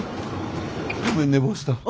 ごめん寝坊した。